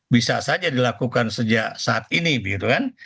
bisa saja dilakukan sejak saat ini gitu kan